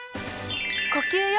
呼吸よ。